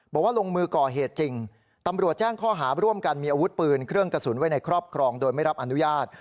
บอกว่าลงมือก่อเหตุจริงตำรวจแจ้งข้อหาร่วมกันมีอาวุธปืนเครื่องกระสุนไว้ในครอบครองโดยไม่รับอนุญาต